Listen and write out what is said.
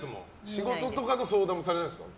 仕事とかの相談もされないですか？